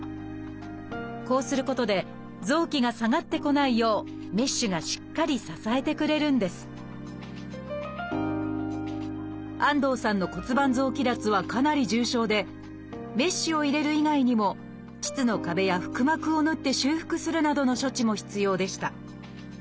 こうすることで臓器が下がってこないようメッシュがしっかり支えてくれるんです安藤さんの骨盤臓器脱はかなり重症でメッシュを入れる以外にも腟の壁や腹膜を縫って修復するなどの処置も必要でした。